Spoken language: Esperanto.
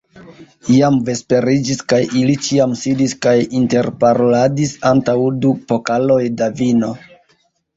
Jam vesperiĝis, kaj ili ĉiam sidis kaj interparoladis antaŭ du pokaloj da vino.